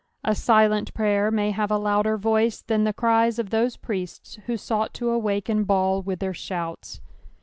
A silent prayer may have a louder voice than the cries of those priests who sought to awakeo Baal with their shouts.